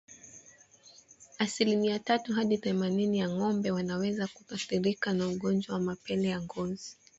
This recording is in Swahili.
Asilimia tatu hadi themanini ya ngombe wanaweza kuathirika na ugonjwa wa mapele ya ngozi